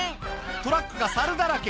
トラックが猿だらけ。